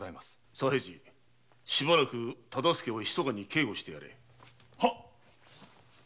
左平次しばらく大岡をひそかに警護してやれ。